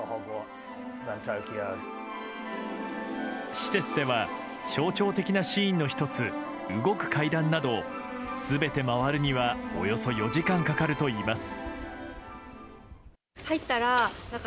施設では象徴的なシーンの１つ動く階段など全て回るにはおよそ４時間かかるといいます。